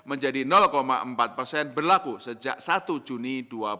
menjadi empat persen berlaku sejak satu juni dua ribu dua puluh